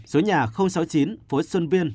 số nhà sáu mươi chín phố xuân viên